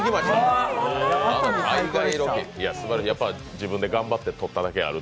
自分で頑張ってとっただけある。